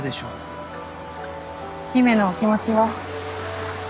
姫のお気持ちは？